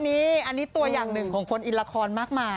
อันนี้ตัวอย่างหนึ่งของคนอินละครมากมาย